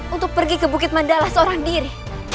untuk pergi ke bukit mandala seorang diri